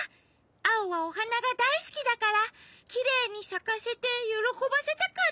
アオはおはながだいすきだからきれいにさかせてよろこばせたかったのに。